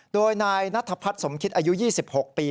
โดยนายนัทพัฒน์สมคิตอายุ๒๖ปี